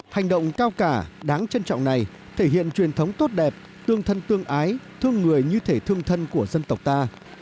hành động cao cả đáng trân trọng này thể hiện truyền thống tốt đẹp tương thân tương ái thương người như thể thương thân của dân tộc ta